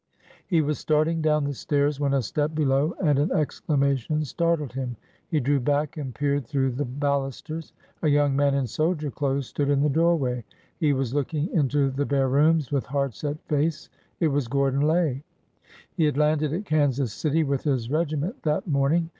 He was starting down the stairs when a step below and an exclamation startled him. He drew back and peered through the balusters. A young man in soldier clothes stood in the doorway. He was looking into the bare rooms with hard set face. It was Gordon Lay. He had landed at Kansas City with his regiment that morning.